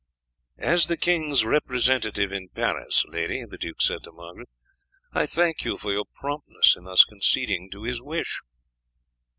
"As the king's representative in Paris, lady," the duke said to Margaret, "I thank you for your promptness in thus conceding to his wish."